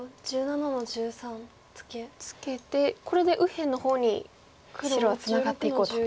ツケてこれで右辺の方に白はツナがっていこうと。